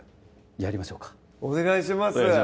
やりましょうかお願いします